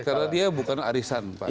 karena dia bukan arisan pak